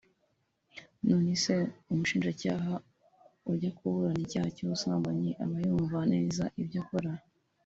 None se umushinjacyaha ujya kuburana icyaha cy’ubusambanyi aba yumva neza ibyo akora